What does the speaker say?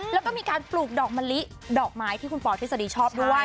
แล้วก็มีการปลูกดอกมะลิดอกไม้ที่คุณปอทฤษฎีชอบด้วย